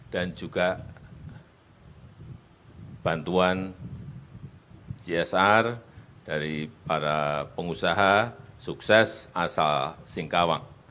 dan juga bantuan gsr dari para pengusaha sukses asal singkawang